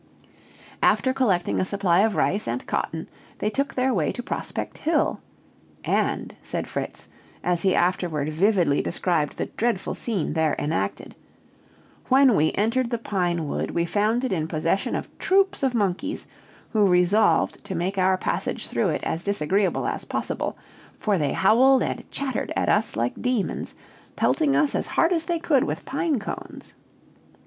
After collecting a supply of rice and cotton, they took their way to Prospect Hill; "and," said Fritz, as he afterward vividly described the dreadful scene there enacted, "when we entered the pine wood, we found it in possession of troops of monkeys, who resolved to make our passage through it as disagreeable as possible, for they howled and chattered at us like demons, pelting us as hard as they could with pine cones.